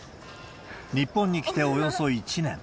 日本に来ておよそ１年。